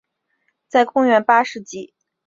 在公元八世纪由波罗王朝国王护法成立。